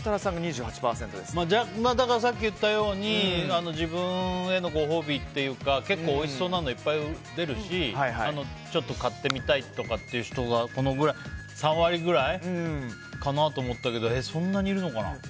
だからさっき言ったように自分へのご褒美っていうか結構、おいしそうなのいっぱい出るしちょっと買ってみたいとかっていう人が３割くらいかなと思ったけどそんなにいるのかな。